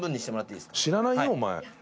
知らないよお前。